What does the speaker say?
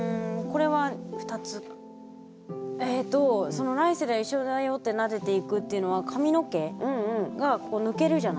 その「来世では一緒だよって撫でてゆく」っていうのは髪の毛が抜けるじゃないですか。